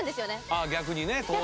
ああ逆にね当然。